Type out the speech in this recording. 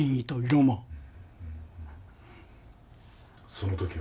その時は。